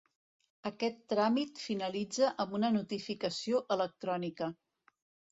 Aquest tràmit finalitza amb una notificació electrònica.